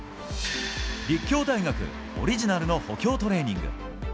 立教大学オリジナルの補強トレーニング。